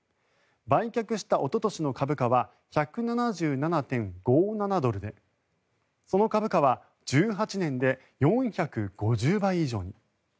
売却したおととしの株価は１７７．５７ドルでその株価は１８年で４５０倍以上に。